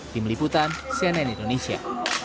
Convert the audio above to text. tim liputan cnn indonesia